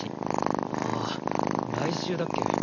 ああ来週だっけ？